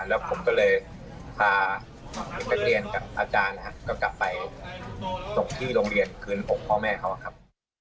แล้วผมก็เลยพาเด็กนักเรียนกับอาจารย์นะครับก็กลับไปส่งที่โรงเรียนคืน๖พ่อแม่เขาครับ